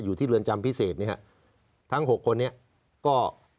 อยู่ที่เรือนจำพิเศษทั้ง๖คนนี้ก็